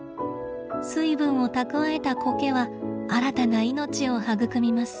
水分を蓄えたコケは新たな命を育みます。